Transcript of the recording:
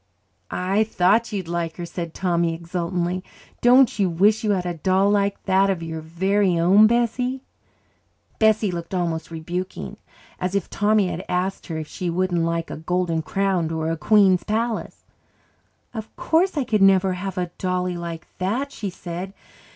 "I thought you'd like her," said Tommy exultantly. "Don't you wish you had a doll like that of your very own, Bessie?" Bessie looked almost rebuking, as if Tommy had asked her if she wouldn't like a golden crown or a queen's palace. "Of course I could never have a dolly like that," she said.